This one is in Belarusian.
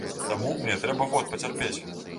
Таму мне трэба год пацярпець.